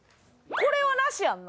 これはなしやんな？